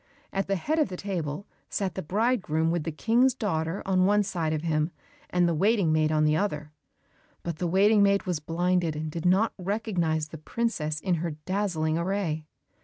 At the head of the table sat the bridegroom with the King's daughter at one side of him, and the waiting maid on the other, but the waiting maid was blinded, and did not recognize the princess in her dazzling array.